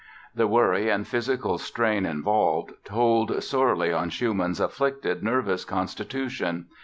The worry and physical strain involved told sorely in Schumann's afflicted nervous constitution.